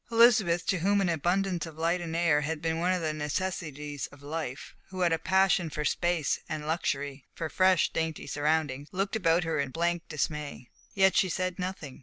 Elizabeth, to whom an abundance of light and air had been one of the necessities of life, who had a passion for space and luxury, for fresh, dainty surroundings, looked about her in blank dismay. Yet she said nothing.